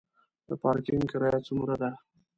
د پارکینګ کرایه څومره ده؟